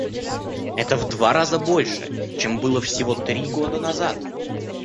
Это в два раза больше, чем было всего три года назад.